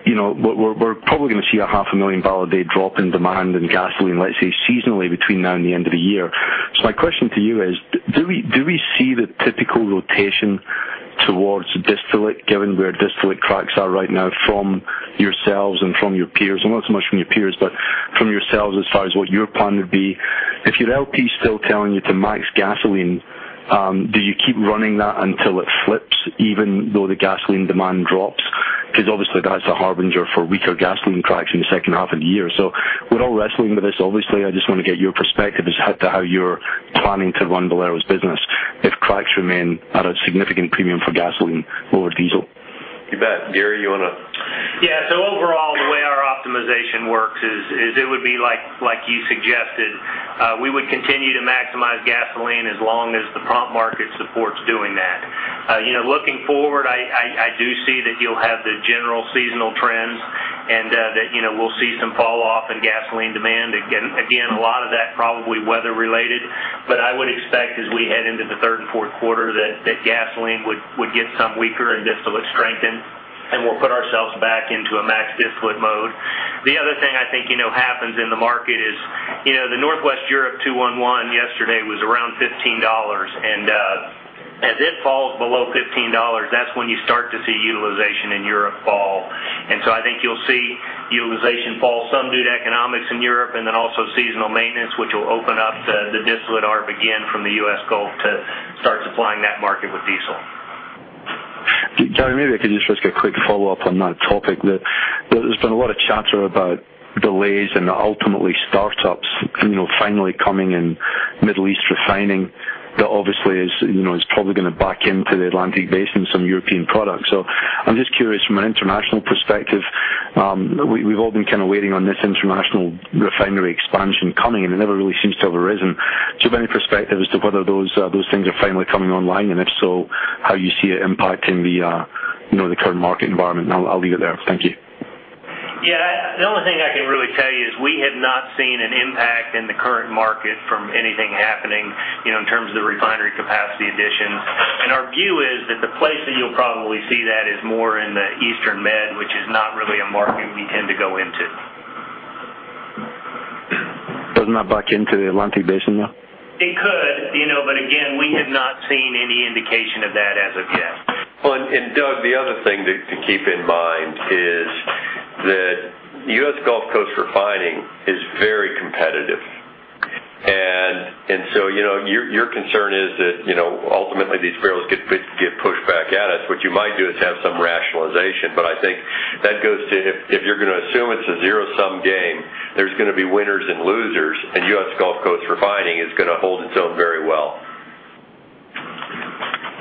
We're probably going to see a half a million barrel a day drop in demand in gasoline, let's say seasonally, between now and the end of the year. My question to you is, do we see the typical rotation towards distillate given where distillate cracks are right now from yourselves and from your peers? Well, not so much from your peers, but from yourselves as far as what your plan would be. If your LP's still telling you to max gasoline, do you keep running that until it flips, even though the gasoline demand drops? Obviously that is a harbinger for weaker gasoline cracks in the second half of the year. We're all wrestling with this, obviously. I just want to get your perspective as to how you're planning to run Valero's business if cracks remain at a significant premium for gasoline over diesel. You bet. Gary, you want to? Yeah. Overall, the way our optimization works is, it would be like you suggested. We would continue to maximize gasoline as long as the pump market supports doing that. Looking forward, I do see that you'll have the general seasonal trends and that we'll see some fall off in gasoline demand. Again, a lot of that probably weather related, but I would expect as we head into the third and fourth quarter, that gasoline would get some weaker and distillate strengthen, and we'll put ourselves back into a max distillate mode. The other thing I think happens in the market is the Northwest Europe 2-1-1 yesterday was around $15. As it falls below $15, that's when you start to see utilization in Europe fall. I think you'll see utilization fall some due to economics in Europe and then also seasonal maintenance, which will open up the distillate arb again from the U.S. Gulf to start supplying that market with diesel. Gary, maybe I could just ask a quick follow-up on that topic. There's been a lot of chatter about delays and ultimately startups finally coming in Middle East refining. That obviously is probably going to back into the Atlantic Basin, some European products. I'm just curious from an international perspective, we've all been waiting on this international refinery expansion coming, and it never really seems to have arisen. Do you have any perspective as to whether those things are finally coming online? If so, how you see it impacting the current market environment? I'll leave it there. Thank you. Yeah. The only thing I can really tell you is we have not seen an impact in the current market from anything happening in terms of the refinery capacity additions. Our view is that the place that you'll probably see that is more in the Eastern Med, which is not really a market we tend to go into. Doesn't that back into the Atlantic Basin, though? It could. Again, we have not seen any indication of that as of yet. Doug, the other thing to keep in mind is that U.S. Gulf Coast refining is very competitive. Your concern is that ultimately these barrels get pushed back at us, which you do is have some rationalization. I think that goes to if you're going to assume it's a zero-sum game, there's going to be winners and losers, and U.S. Gulf Coast refining is going to hold its own very well.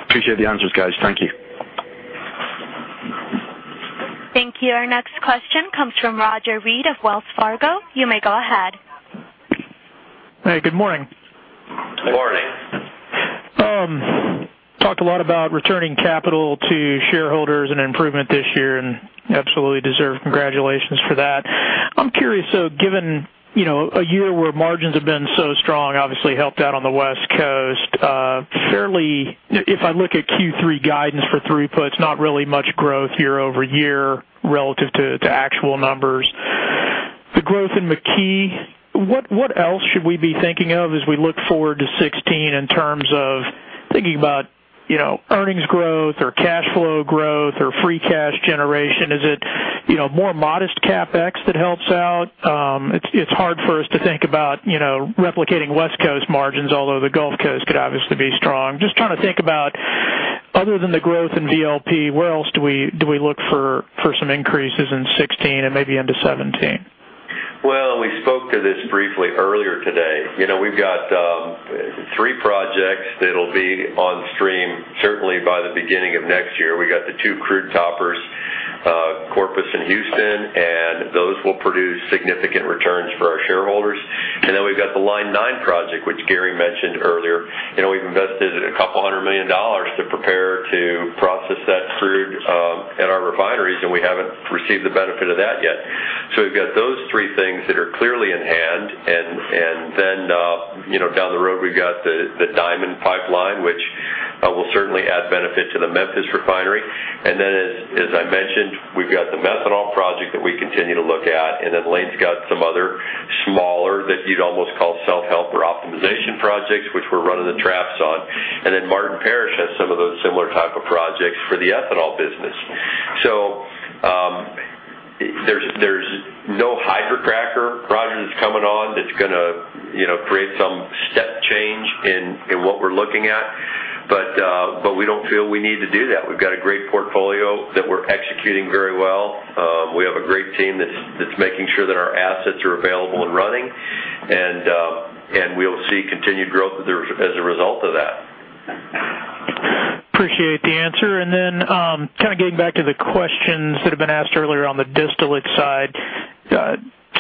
Appreciate the answers, guys. Thank you. Thank you. Our next question comes from Roger Read of Wells Fargo. You may go ahead. Hey, good morning. Good morning. Talked a lot about returning capital to shareholders and improvement this year, and absolutely deserve congratulations for that. I'm curious, though, given a year where margins have been so strong, obviously helped out on the West Coast. If I look at Q3 guidance for throughput, it's not really much growth year-over-year relative to actual numbers. The growth in McKee, what else should we be thinking of as we look forward to 2016 in terms of thinking about earnings growth or cash flow growth or free cash generation? Is it more modest CapEx that helps out? It's hard for us to think about replicating West Coast margins, although the Gulf Coast could obviously be strong. Just trying to think about, other than the growth in VLP, where else do we look for some increases in 2016 and maybe into 2017? We spoke to this briefly earlier today. We've got 3 projects that'll be on stream certainly by the beginning of next year. We got the 2 crude toppers, Corpus and Houston, those will produce significant returns for our shareholders. We've got the Line 9 project, which Gary mentioned earlier. We've invested a couple hundred million dollars to prepare to process that crude in our refineries, we haven't received the benefit of that yet. We've got those 3 things that are clearly in hand. Down the road, we've got the Diamond Pipeline, which will certainly add benefit to the Memphis refinery. As I mentioned, we've got the methanol project that we continue to look at. Lane's got some other smaller, that you'd almost call self-help or optimization projects, which we're running the traps on. Martin Parish has some of those similar type of projects for the ethanol business. There's no hydrocracker project that's coming on that's going to create some step change in what we're looking at. We don't feel we need to do that. We've got a great portfolio that we're executing very well. We have a great team that's making sure that our assets are available and running, we'll see continued growth as a result of that. Appreciate the answer. Getting back to the questions that have been asked earlier on the distillate side.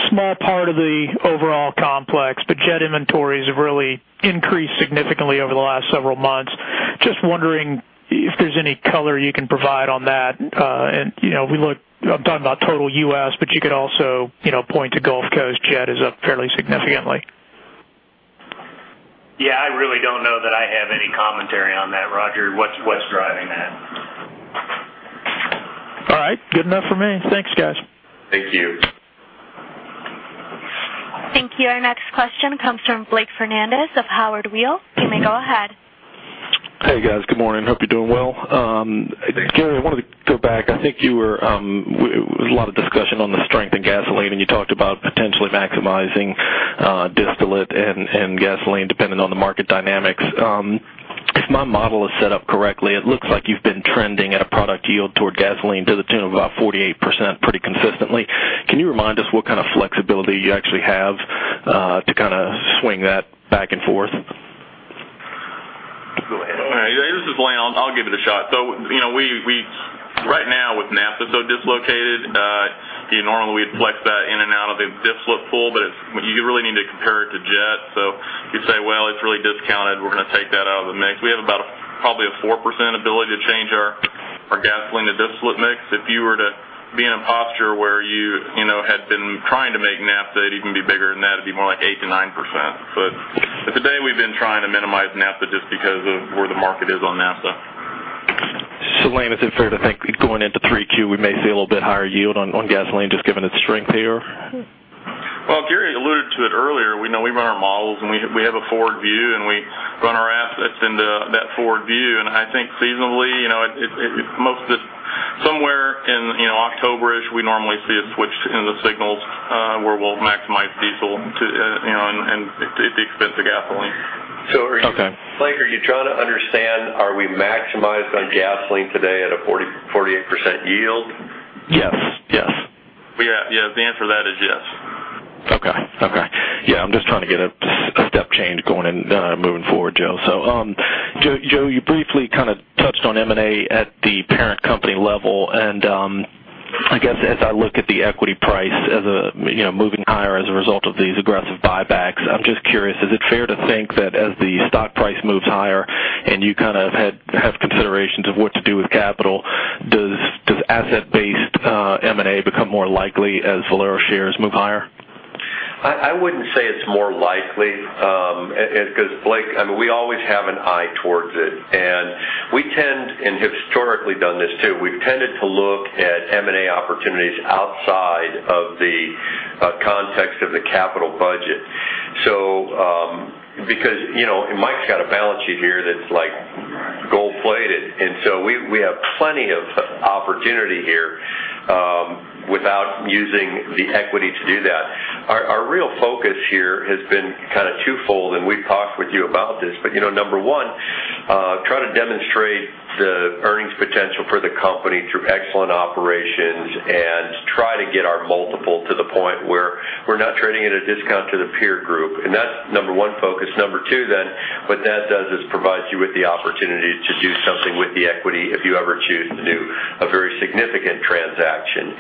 Small part of the overall complex, jet inventories have really increased significantly over the last several months. Just wondering if there's any color you can provide on that. I'm talking about total U.S., you could also point to Gulf Coast. Jet is up fairly significantly. I really don't know that I have any commentary on that, Roger. What's driving that? All right. Good enough for me. Thanks, guys. Thank you. Thank you. Our next question comes from Blake Fernandez of Howard Weil. You may go ahead. Hey, guys. Good morning. Hope you're doing well. Thanks, Blake. Gary, I wanted to go back. There was a lot of discussion on the strength in gasoline, you talked about potentially maximizing distillate and gasoline depending on the market dynamics. If my model is set up correctly, it looks like you've been trending at a product yield toward gasoline to the tune of about 48% pretty consistently. Can you remind us what kind of flexibility you actually have to swing that back and forth? Go ahead. This is Lane. I'll give it a shot. Right now with naphtha so dislocated, normally we'd flex that in and out of a distillate pool, you really need to compare it to jet. You say, "Well, it's really discounted. We're going to take that out of the mix." We have about probably a 4% ability to change our gasoline to distillate mix. If you were to be in a posture where you had been trying to make naphtha, it'd even be bigger than that. It'd be more like 8%-9%. To date, we've been trying to minimize naphtha just because of where the market is on naphtha. Lane, is it fair to think going into 3Q, we may see a little bit higher yield on gasoline, just given its strength here? Well, Gary alluded to it earlier. We run our models, and we have a forward view, and we run our assets into that forward view. I think seasonally, somewhere in October-ish, we normally see a switch in the signals where we'll maximize diesel at the expense of gasoline. Okay. Blake, are you trying to understand, are we maximized on gasoline today at a 48% yield? Yes. The answer to that is yes. Okay. Yeah, I'm just trying to get a step change going moving forward, Joe. Joe, you briefly touched on M&A at the parent company level, and I guess as I look at the equity price moving higher as a result of these aggressive buybacks, I'm just curious, is it fair to think that as the stock price moves higher and you have considerations of what to do with capital, does asset-based M&A become more likely as Valero shares move higher? I wouldn't say it's more likely because Blake, we always have an eye towards it, and historically done this, too. We've tended to look at M&A opportunities outside of the context of the capital budget. Mike's got a balance sheet here that's gold-plated, and so we have plenty of opportunity here without using the equity to do that. Our real focus here has been twofold, and we've talked with you about this. Number one, try to demonstrate the earnings potential for the company through excellent operations and try to get our multiple to the point where we're not trading at a discount to the peer group. That's number one focus. Number two, what that does is provides you with the opportunity to do something with the equity if you ever choose to do a very significant transaction.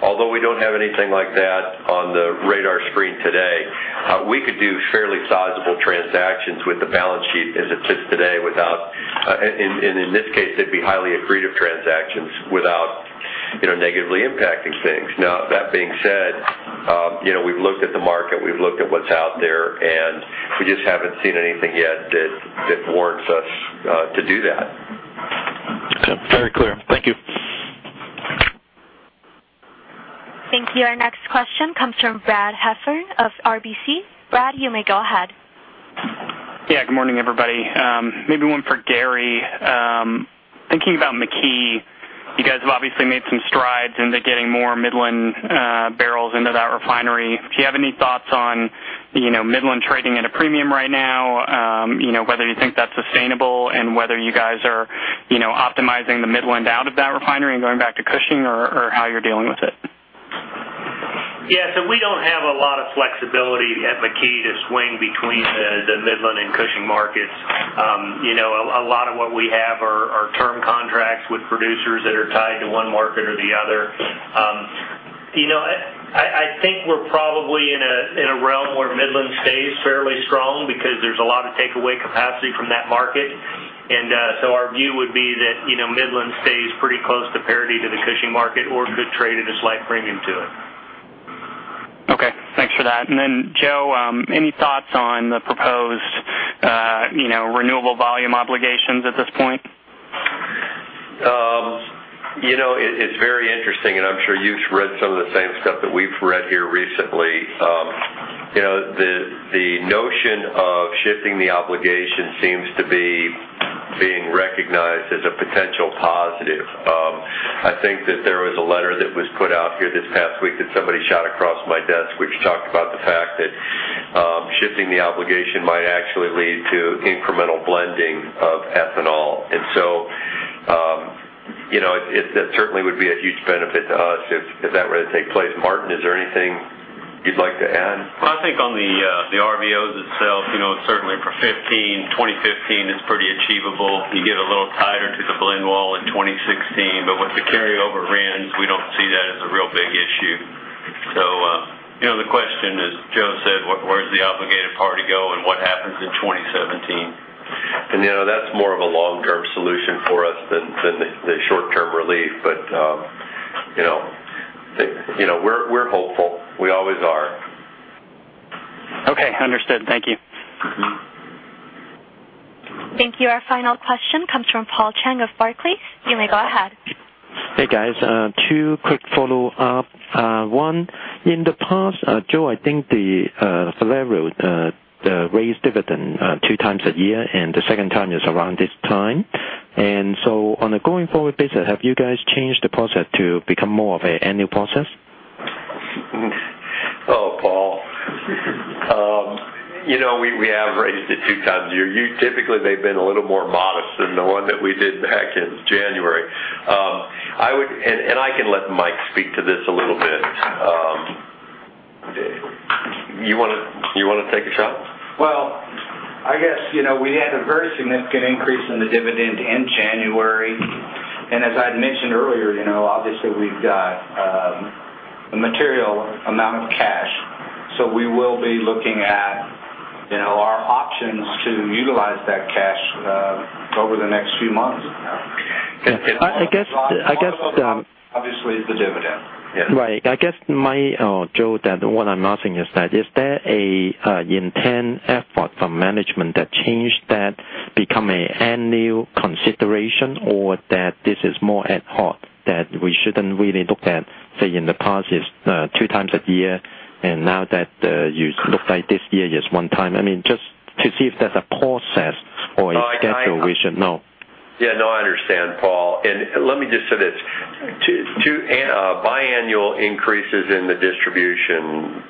Although we don't have anything like that on the radar screen today, we could do fairly sizable transactions with the balance sheet as it sits today, and in this case, they'd be highly accretive transactions without negatively impacting things. Now that being said, we've looked at the market, we've looked at what's out there, and we just haven't seen anything yet that warrants us to do that. Okay. Very clear. Thank you. Thank you. Our next question comes from Brad Heffern of RBC. Brad, you may go ahead. Yeah. Good morning, everybody. Maybe one for Gary. Thinking about McKee, you guys have obviously made some strides into getting more Midland barrels into that refinery. Do you have any thoughts on Midland trading at a premium right now, whether you think that's sustainable, and whether you guys are optimizing the Midland out of that refinery and going back to Cushing, or how you're dealing with it? Yeah. We don't have a lot of flexibility at McKee to swing between the Midland and Cushing markets. A lot of what we have are term contracts with producers that are tied to one market or the other. I think we're probably in a realm where Midland stays fairly strong because there's a lot of takeaway capacity from that market. Our view would be that Midland stays pretty close to parity to the Cushing market or could trade at a slight premium to it. Okay. Thanks for that. Joe, any thoughts on the proposed Renewable Volume Obligations at this point? It's very interesting, I'm sure you've read some of the same stuff that we've read here recently. The notion of shifting the obligation seems to be being recognized as a potential positive. I think that there was a letter that was put out here this past week that somebody shot across my desk, which talked about the fact that shifting the obligation might actually lead to incremental blending of ethanol. That certainly would be a huge benefit to us if that were to take place. Martin, is there anything you'd like to add? I think on the RVOs itself, certainly for 2015 is pretty achievable. You get a little tighter to the blend wall in 2016, but with the carryover RINs, we don't see that as a real big issue. The question, as Joe said, where does the obligated party go, and what happens in 2017? That's more of a long-term solution for us than the short-term relief. We're hopeful. We always are. Understood. Thank you. Thank you. Our final question comes from Paul Cheng of Barclays. You may go ahead. Hey, guys. Two quick follow-up. One, in the past, Joe, I think that Valero raised dividend two times a year, and the second time is around this time. On a going forward basis, have you guys changed the process to become more of an annual process? Oh, Paul. We have raised it two times a year. Typically, they've been a little more modest than the one that we did back in January. I can let Mike speak to this a little bit. You want to take a shot? Well, I guess, we had a very significant increase in the dividend in January. As I'd mentioned earlier, obviously, we've got a material amount of cash. We will be looking at our options to utilize that cash over the next few months. One of them, obviously, is the dividend. Right. I guess, Mike or Joe, that what I'm asking is that, is there an intent effort from management that changed that become an annual consideration or that this is more ad hoc, that we shouldn't really look at, say, in the past, it's two times a year, and now that you look like this year is one time. I mean, just to see if there's a process or a schedule we should know. Yeah. No, I understand, Paul. Let me just say this. Bi-annual increases in the distribution,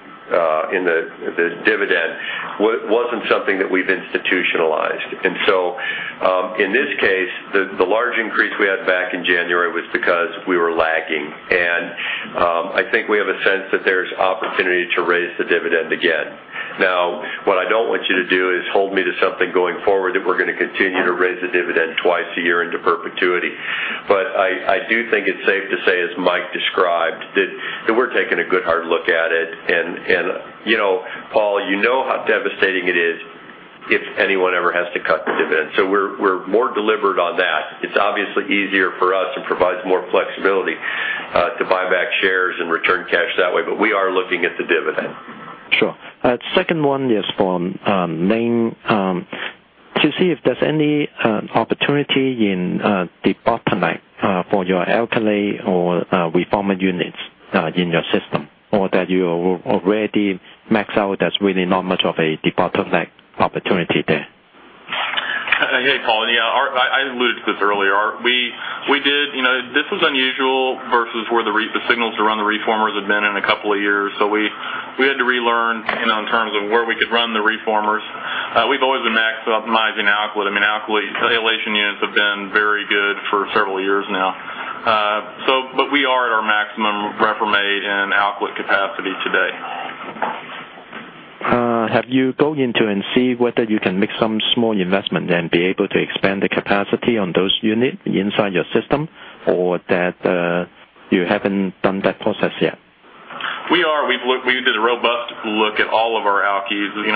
in the dividend, wasn't something that we've institutionalized. In this case, the large increase we had back in January was because we were lagging. I think we have a sense that there's opportunity to raise the dividend again. Now, what I don't want you to do is hold me to something going forward that we're going to continue to raise the dividend twice a year into perpetuity. I do think it's safe to say, as Mike described, that we're taking a good hard look at it. Paul, you know how devastating it is if anyone ever has to cut the dividend. We're more deliberate on that. It's obviously easier for us and provides more flexibility to buy back shares and return cash that way, we are looking at the dividend. Sure. Second one is for Martin. To see if there's any opportunity in the bottleneck for your alkylate or reformer units in your system, or that you already max out, there's really not much of a bottleneck opportunity there? Hey, Paul. Yeah, I alluded to this earlier. This was unusual versus where the signals to run the reformers had been in a couple of years. We had to relearn in terms of where we could run the reformers. We've always been max optimizing alkylate. Alkylation units have been very good for several years now. We are at our maximum reformate and alkylate capacity today. Have you gone into and see whether you can make some small investment and be able to expand the capacity on those units inside your system? That you haven't done that process yet? We are. We did a robust look at all of our Alkys. We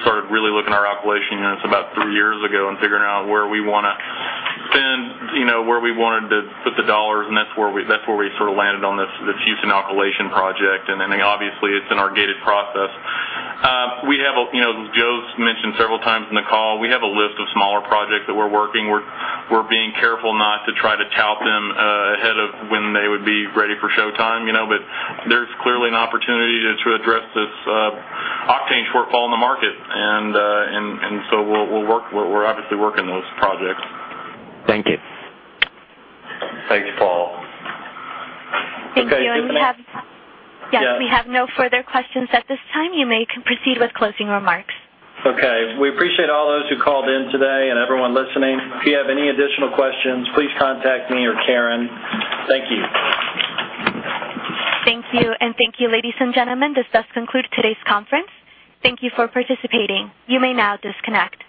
started really looking at our alkylation units about three years ago and figuring out where we want to spend, where we wanted to put the dollars, and that's where we sort of landed on this Houston alkylation project. Obviously, it's an iterated process. As Joe's mentioned several times in the call, we have a list of smaller projects that we're working. We're being careful not to try to tout them ahead of when they would be ready for showtime. There's clearly an opportunity to address this octane shortfall in the market. We're obviously working those projects. Thank you. Thanks, Paul. Thank you. Yes. Yes. We have no further questions at this time. You may proceed with closing remarks. Okay. We appreciate all those who called in today and everyone listening. If you have any additional questions, please contact me or Karen. Thank you. Thank you. Thank you, ladies and gentlemen. This does conclude today's conference. Thank you for participating. You may now disconnect.